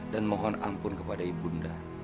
dan mohon ampun kepada ibu nda